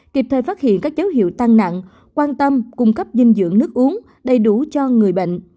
kịp thời phát hiện các dấu hiệu tăng nặng quan tâm cung cấp dinh dưỡng nước uống đầy đủ cho người bệnh